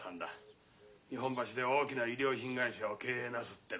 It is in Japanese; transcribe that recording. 日本橋で大きな衣料品会社を経営なすってる。